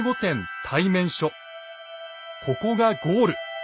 ここがゴール。